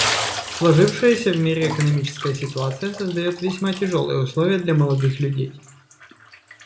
Сложившаяся в мире экономическая ситуация создает весьма тяжелые условия для молодых людей.